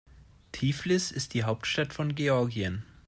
Tiflis ist die Hauptstadt von Georgien.